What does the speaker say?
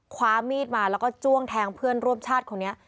คว้ามีดมาแล้วก็จ้วงแทงเพื่อนร่วมชาติคนนี้